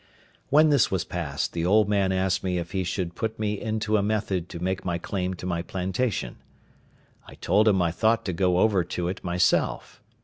When this was past, the old man asked me if he should put me into a method to make my claim to my plantation. I told him I thought to go over to it myself.